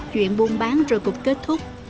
chuyện buôn bán rồi cục kết thúc